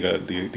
jadi itu kan